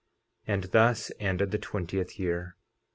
50:16 And thus ended the twentieth year.